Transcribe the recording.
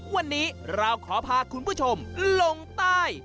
วันนี้เราขอพาคุณผู้ชมลงใต้